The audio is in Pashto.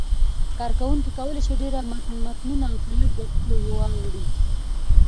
کاروونکي کولای شي ډېر متنونه په لږ وخت کې واړوي.